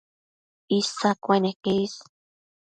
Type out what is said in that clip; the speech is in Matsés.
Isa cueneque is